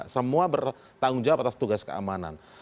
semua bertanggung jawab atas tugas keamanan